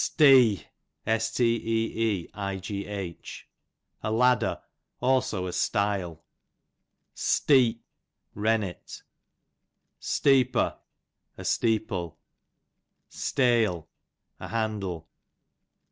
Steeigh, a ladder ; also a stile. Steep, rennet. Steepo, a steeple. Steyl, a handle.